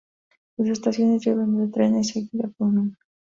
Sus estaciones llevan la letra N seguida por un número.